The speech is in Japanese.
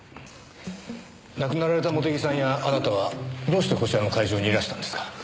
亡くなられた茂手木さんやあなたはどうしてこちらの会場にいらしたんですか？